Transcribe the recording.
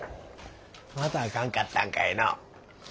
またあかんかったんかいのう？